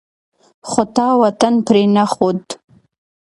خو تا وطن پرې نه ښود.